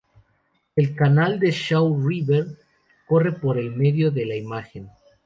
El canal de Shaw River corre por el medio de la imagen.